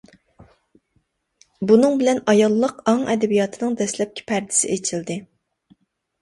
بۇنىڭ بىلەن ئاياللىق ئاڭ ئەدەبىياتىنىڭ دەسلەپكى پەردىسى ئېچىلدى.